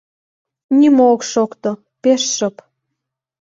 Нимо ок шокто: пеш шып.